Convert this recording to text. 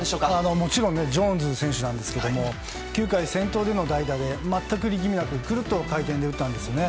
もちろんジョーンズ選手ですが９回、先頭での代打で全く力みなくくるっと回転で打ったんですよね。